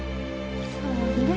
そうね。